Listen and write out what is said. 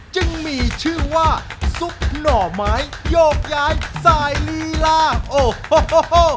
จึงมีชื่อว่าซุปหน่อไม้โยกย้ายสายลีลาโอ้โห